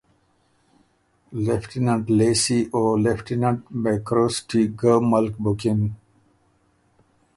لېفټیننټ لیسې او لیفټیننټ مېکروسټی ګه ملک بُکِن